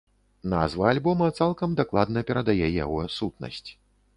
Назва альбома цалкам дакладна перадае яго сутнасць.